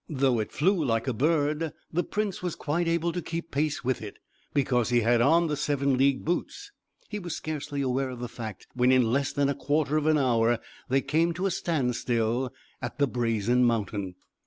Though it flew like a bird, the prince was quite able to keep pace with it, because he had on the seven league boots. He was scarcely aware of the fact, when in less than a quarter of an hour they came to a standstill at the Brazen Mountain.